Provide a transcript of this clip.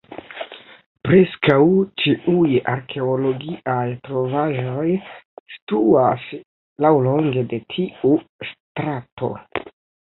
Preskaŭ ĉiuj arkeologiaj trovaĵoj situas laŭlonge de tiu strato.